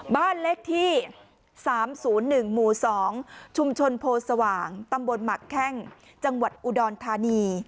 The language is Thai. บ้านเลขที่๓๐๑หมู่๒ชุมชนโพสว่างตำบลหมักแข้งจังหวัดอุดรธานี